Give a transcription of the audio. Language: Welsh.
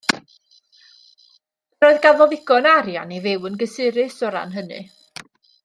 Yr oedd ganddo ddigon o arian i fyw yn gysurus o ran hynny.